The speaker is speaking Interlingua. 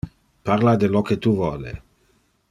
Parla de lo que tu vole.